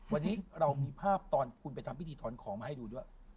วันนี้เรามีภาพปกติคุณทำวิธีโดยธอนของมาให้ดูด้วย